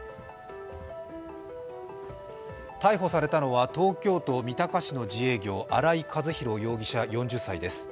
逮捕されたのは東京都三鷹市の自営業、荒井和洋容疑者４０歳です。